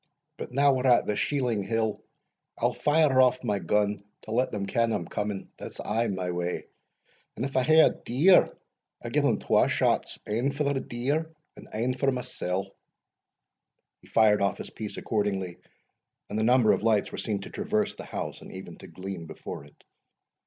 But now we're at the Sheeling hill I'll fire off my gun, to let them ken I'm coming, that's aye my way; and if I hae a deer I gie them twa shots, ane for the deer and ane for mysell." He fired off his piece accordingly, and the number of lights were seen to traverse the house, and even to gleam before it.